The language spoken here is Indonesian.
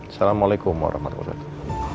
assalamualaikum warahmatullahi wabarakatuh